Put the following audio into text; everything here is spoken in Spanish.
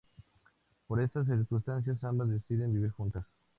Por esas circunstancias, ambas deciden vivir juntas.